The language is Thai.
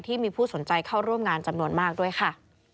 ผู้สนใจเข้าร่วมงานจำนวนมากด้วยค่ะ